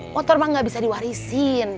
motor mah gak bisa diwarisin